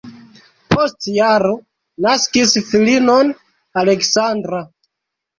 Post jaro naskis filinon Aleksandra.